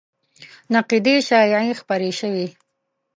نقیضې شایعې خپرې شوې